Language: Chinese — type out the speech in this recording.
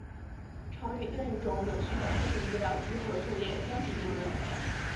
常与另一种有序的线性资料集合伫列相提并论。